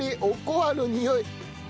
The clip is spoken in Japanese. おこわのにおい！